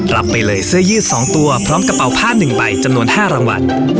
รับไปเลยเสื้อยืด๒ตัวพร้อมกระเป๋าผ้า๑ใบจำนวน๕รางวัล